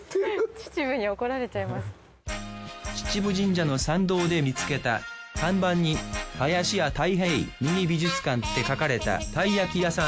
秩父神社の参道で見つけた看板に「林家たい平ミニ美術館」って書かれたたい焼き屋さん。